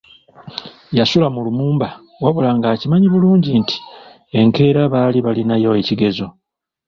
Yasula mu Lumumba wabula ng’akimanyi bulungi nti enkeera baali balinayo ekigezo.